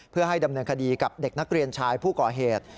เพื่อให้ดำเนินคดีกับเด็กนักเรียนชายผู้ก่อเหตุ